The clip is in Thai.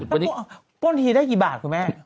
ไปป้นทีได้กี่บาทถูกมั้ย